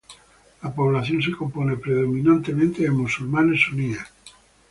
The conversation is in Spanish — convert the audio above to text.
La población se compone predominantemente de musulmanes suníes.